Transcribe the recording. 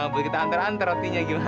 buat kita antar antar rotinya gimana